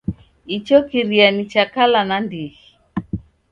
Icho kiria ni cha kala nandighi.